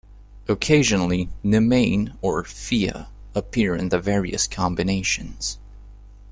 Occasionally Nemain or Fea appear in the various combinations.